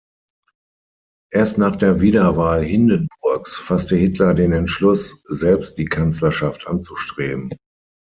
Erst nach der Wiederwahl Hindenburgs fasste Hitler den Entschluss, selbst die Kanzlerschaft anzustreben.